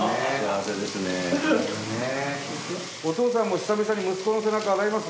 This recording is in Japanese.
お父さんも久々に息子の背中洗います？